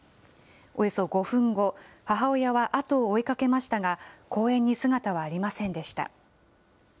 およそ５分後、母親は後を追いかけましたが、公園に姿はありませんでした。